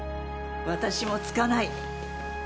私もつかない。